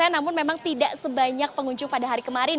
namun memang tidak sebanyak pengunjung pada hari kemarin